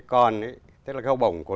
còn cái học bổng của